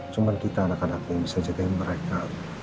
cuman kita anak anaknya yang bisa jagain mereka